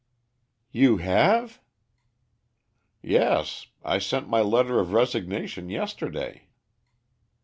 "You have?" "Yes; I sent my letter of resignation yesterday."